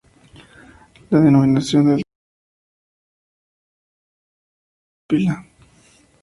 La denominación del título hace clara referencia al nombre de su ilustre pupila.